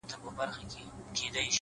نو ځکه هغه ته پرده وايو;